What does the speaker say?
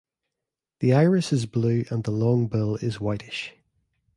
The iris is blue and the long bill is whitish.